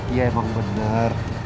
iya emang bener